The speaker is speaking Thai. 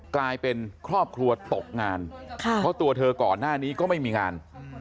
กลายเป็นครอบครัวตกงานเพราะตัวเธอก่อนหน้านี้ก็ไม่มีงาน